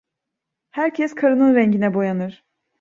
Herkes karının rengine boyanır.